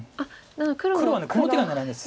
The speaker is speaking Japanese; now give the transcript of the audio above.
黒はこの手が狙いです。